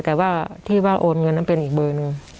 แต่ว่าที่ว่าโอนเงินนั้นเป็นอีกเบอร์หนึ่ง